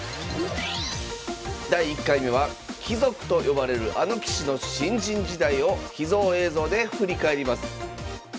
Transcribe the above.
第１回目は貴族と呼ばれるあの棋士の新人時代を秘蔵映像で振り返ります。